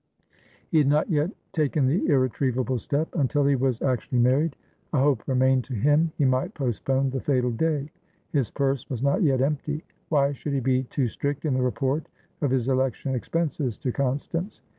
He had not yet taken the irretrievable step. Until he was actually married, a hope remained to him. He might postpone the fatal day; his purse was not yet empty. Why should he be too strict in the report of his election expenses to Constance?